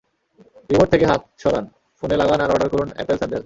Remote থেকে হাত সরান, ফোনে লাগান আর অর্ডার করুন, অ্যাপেল স্যান্ডেল।